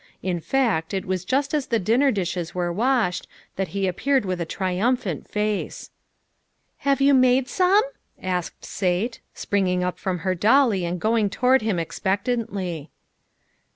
In fact it was just as the dinner dishes Avere washed, that he appeared with a triumphant face. "Have you made some?" asked Sate, springing up from her dolly and go ing toward him expectantly.